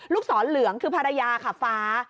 ศรเหลืองคือภรรยาค่ะฟ้า